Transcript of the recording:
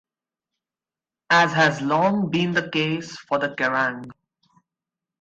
As has long been the case for the Kerrang!